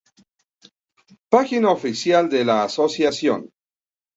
Página oficial de la asociación